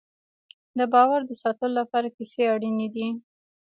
د باور د ساتلو لپاره کیسې اړینې دي.